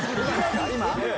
今？